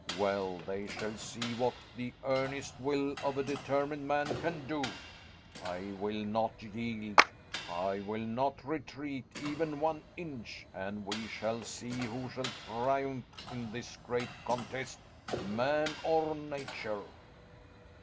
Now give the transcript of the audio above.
Well, they shall see what the earnest will of a determined man can do. I will not yield, I will not retreat even one inch; and we shall see who shall triumph in this great contest man or nature."